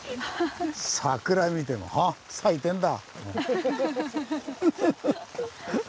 桜見ても「はぁ咲いてんだ」。